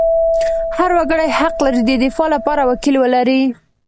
هر وګړی حق لري د دفاع لپاره وکیل ولري.